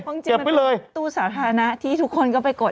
เพราะจริงมันเป็นตู้สาธารณะที่ทุกคนก็ไปกด